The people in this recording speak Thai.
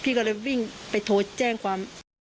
พี่ก็เลยวิ่งไปโทรแจ้งความ